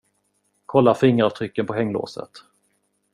Kolla fingeravtrycken på hänglåset.